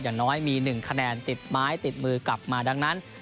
อย่างน้อยมี๑คะแนนติดไม้ติดมือกลับมาดังนั้น